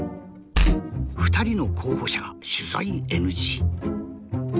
２人の候補者が取材ＮＧ。